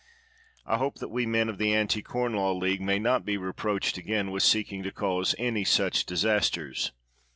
I hope that we men of the Anti Corn Law League may not be reproached again with seek ing to cause any such disasters.